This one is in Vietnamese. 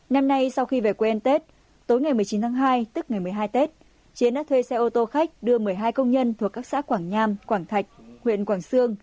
năm nay sau khi về quê ăn tết tối ngày một mươi chín tháng hai tức ngày một mươi hai tết chiến đã thuê xe ô tô khách đưa một mươi hai công nhân thuộc các xã quảng nham quảng thạch huyện quảng sương